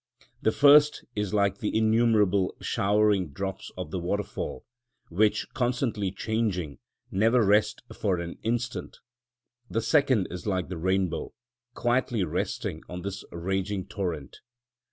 The first is like the innumerable showering drops of the waterfall, which, constantly changing, never rest for an instant; the second is like the rainbow, quietly resting on this raging torrent.